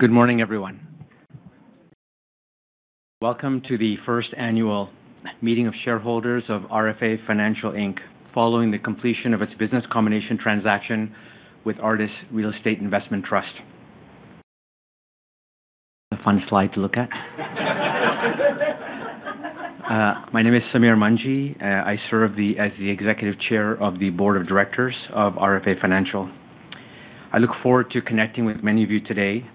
Good morning, everyone. Welcome to the first annual meeting of shareholders of RFA Financial Inc., following the completion of its business combination transaction with Artis Real Estate Investment Trust. A fun slide to look at. My name is Samir Manji. I serve as the Executive Chair of the Board of Directors of RFA Financial. I look forward to connecting with many of you today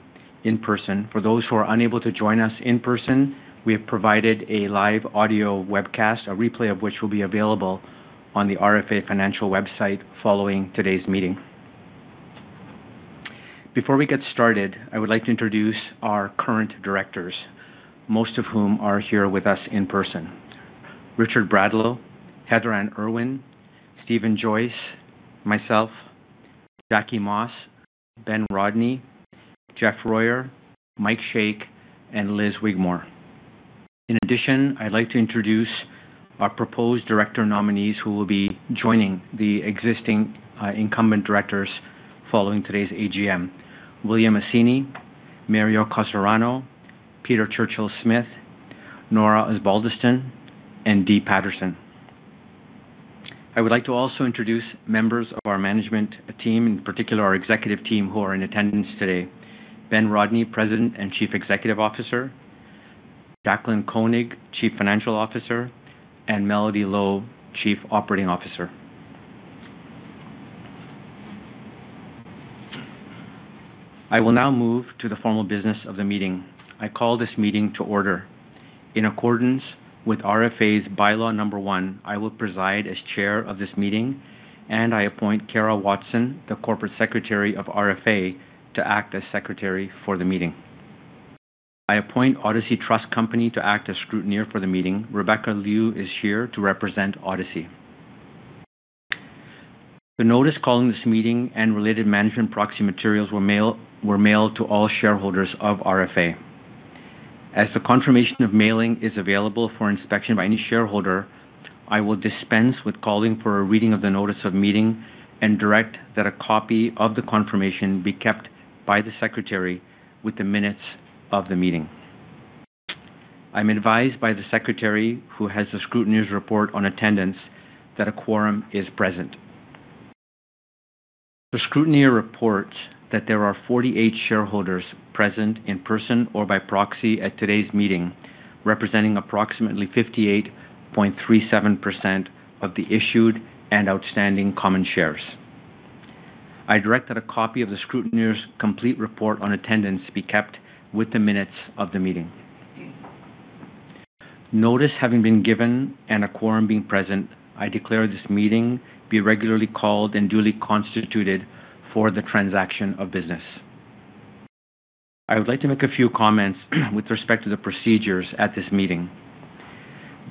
in person. For those who are unable to join us in person, we have provided a live audio webcast, a replay of which will be available on the RFA Financial website following today's meeting. Before we get started, I would like to introduce our current directors, most of whom are here with us in person. Richard Bradlow, Heather-Anne Irwin, Steven Joyce, myself, Jackie Moss, Ben Rodney, Jeff Royer, Mike Shaikh, and Lis Wigmore. I'd like to introduce our proposed director nominees who will be joining the existing incumbent directors following today's AGM. William Acini, Mario Casarano, Peter Churchill Smith, Nora Osbaldeston, and Dee Patterson. I would like to also introduce members of our management team, in particular our executive team who are in attendance today. Ben Rodney, President and Chief Executive Officer, Jaclyn Koenig, Chief Financial Officer, and Melody Lo, Chief Operating Officer. I will now move to the formal business of the meeting. I call this meeting to order. In accordance with RFA's bylaw number one, I will preside as chair of this meeting, and I appoint Kara Watson, the Corporate Secretary of RFA, to act as secretary for the meeting. I appoint Odyssey Trust Company to act as scrutineer for the meeting. Rebecca Liu is here to represent Odyssey. The notice calling this meeting and related management proxy materials were mailed to all shareholders of RFA. As the confirmation of mailing is available for inspection by any shareholder, I will dispense with calling for a reading of the notice of meeting and direct that a copy of the confirmation be kept by the secretary with the minutes of the meeting. I'm advised by the secretary, who has the scrutineer's report on attendance, that a quorum is present. The scrutineer reports that there are 48 shareholders present in person or by proxy at today's meeting, representing approximately 58.37% of the issued and outstanding common shares. I direct that a copy of the scrutineer's complete report on attendance be kept with the minutes of the meeting. Notice having been given and a quorum being present, I declare this meeting be regularly called and duly constituted for the transaction of business. I would like to make a few comments with respect to the procedures at this meeting.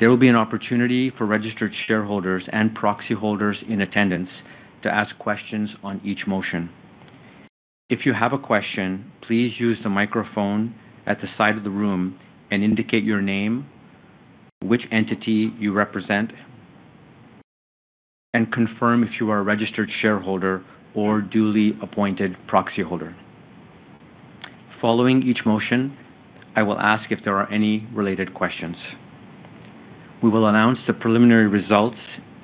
There will be an opportunity for registered shareholders and proxy holders in attendance to ask questions on each motion. If you have a question, please use the microphone at the side of the room and indicate your name, which entity you represent, and confirm if you are a registered shareholder or duly appointed proxy holder. Following each motion, I will ask if there are any related questions. We will announce the preliminary results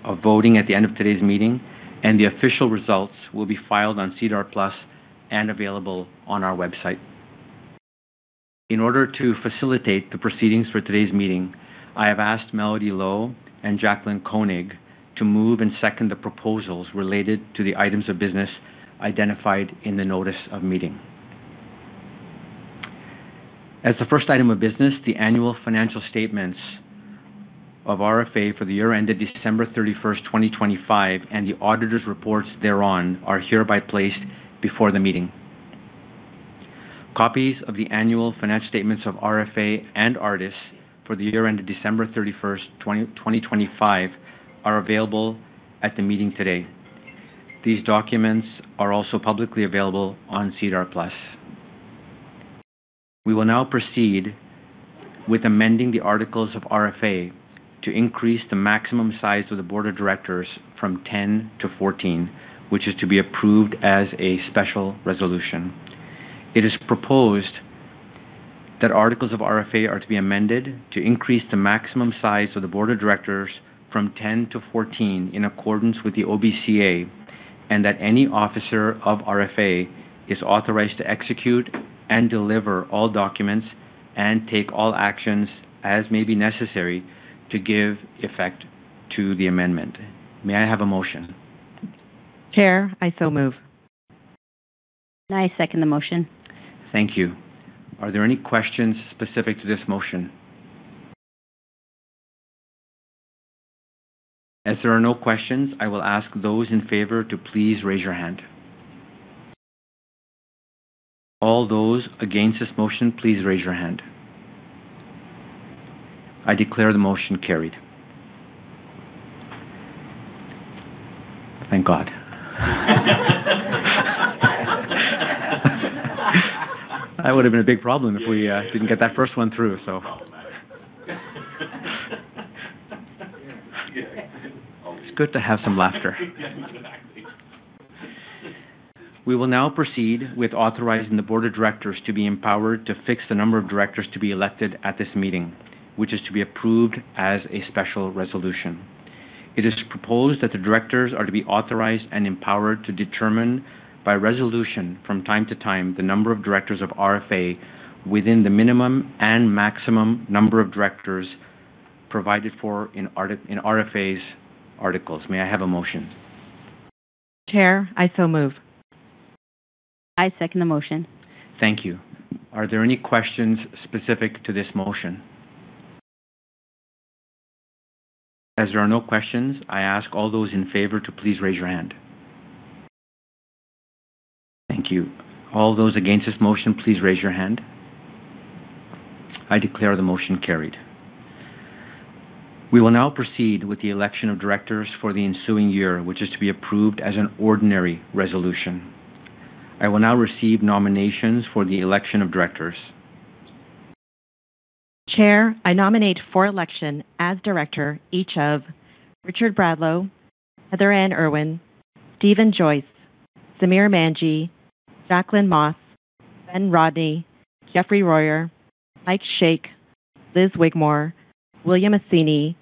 of voting at the end of today's meeting, and the official results will be filed on SEDAR+ and available on our website. In order to facilitate the proceedings for today's meeting, I have asked Melody Lo and Jaclyn Koenig to move and second the proposals related to the items of business identified in the notice of meeting. As the first item of business, the annual financial statements of RFA for the year ended December 31st, 2025, and the auditors' reports thereon are hereby placed before the meeting. Copies of the annual financial statements of RFA and Artis for the year ended December 31st, 2025, are available at the meeting today. These documents are also publicly available on SEDAR+. We will now proceed with amending the articles of RFA to increase the maximum size of the board of directors from 10 to 14, which is to be approved as a special resolution. It is proposed that articles of RFA are to be amended to increase the maximum size of the board of directors from 10 to 14 in accordance with the OBCA, and that any officer of RFA is authorized to execute and deliver all documents and take all actions as may be necessary to give effect to the amendment. May I have a motion? Chair, I so move. I second the motion. Thank you. Are there any questions specific to this motion? As there are no questions, I will ask those in favor to please raise your hand. All those against this motion, please raise your hand. I declare the motion carried. Thank God. That would've been a big problem if we didn't get that first one through, so. It's good to have some laughter. We will now proceed with authorizing the board of directors to be empowered to fix the number of directors to be elected at this meeting, which is to be approved as a special resolution. It is proposed that the directors are to be authorized and empowered to determine by resolution from time to time the number of directors of RFA within the minimum and maximum number of directors provided for in RFA's articles. May I have a motion? Chair, I so move. I second the motion. Thank you. Are there any questions specific to this motion? As there are no questions, I ask all those in favor to please raise your hand. Thank you. All those against this motion, please raise your hand. I declare the motion carried. We will now proceed with the election of directors for the ensuing year, which is to be approved as an ordinary resolution. I will now receive nominations for the election of directors. Chair, I nominate for election as director, each of Richard Bradlow, Heather-Anne Irwin, Steven Joyce, Samir Manji, Jacqueline Moss, Ben Rodney, Jeffrey Royer, Mike Shaikh, Lis Wigmore, William Acini,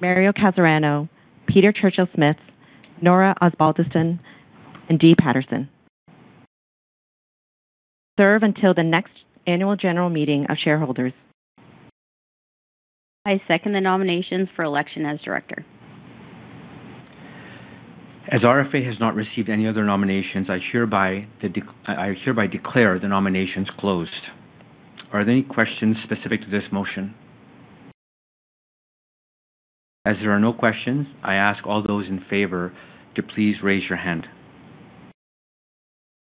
Mario Casarano, Peter Churchill Smith, Nora Osbaldeston, and Dee Patterson to serve until the next annual general meeting of shareholders. I second the nominations for election as director. As RFA has not received any other nominations, I hereby declare the nominations closed. Are there any questions specific to this motion? As there are no questions, I ask all those in favor to please raise your hand.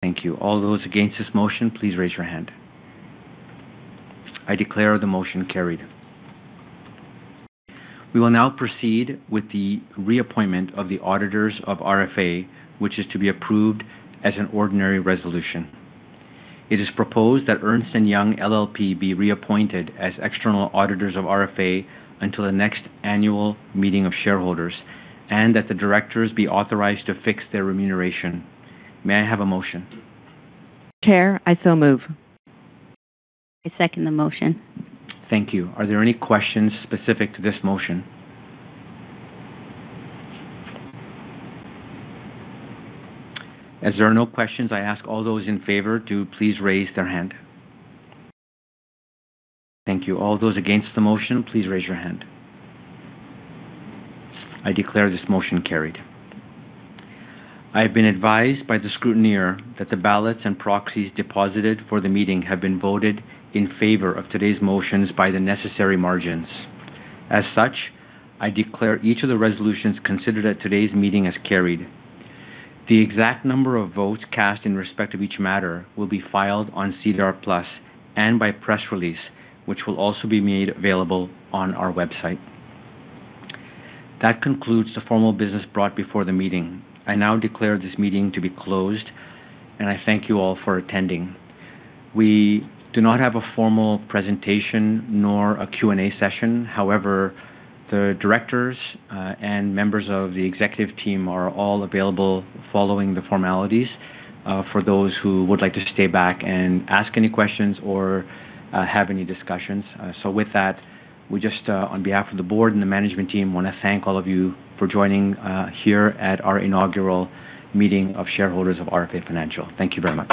Thank you. All those against this motion, please raise your hand. I declare the motion carried. We will now proceed with the reappointment of the auditors of RFA, which is to be approved as an ordinary resolution. It is proposed that Ernst & Young LLP be reappointed as external auditors of RFA until the next annual meeting of shareholders, and that the directors be authorized to fix their remuneration. May I have a motion? Chair, I so move. I second the motion. Thank you. Are there any questions specific to this motion? As there are no questions, I ask all those in favor to please raise their hand. Thank you. All those against the motion, please raise your hand. I declare this motion carried. I have been advised by the scrutineer that the ballots and proxies deposited for the meeting have been voted in favor of today's motions by the necessary margins. As such, I declare each of the resolutions considered at today's meeting as carried. The exact number of votes cast in respect of each matter will be filed on SEDAR+ and by press release, which will also be made available on our website. That concludes the formal business brought before the meeting. I now declare this meeting to be closed, and I thank you all for attending. We do not have a formal presentation nor a Q&A session. However, the directors and members of the executive team are all available following the formalities for those who would like to stay back and ask any questions or have any discussions. With that, we just, on behalf of the board and the management team, want to thank all of you for joining here at our inaugural meeting of shareholders of RFA Financial. Thank you very much.